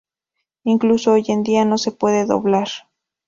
Incluso hoy en día no se puede doblar.